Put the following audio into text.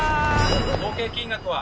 合計金額は。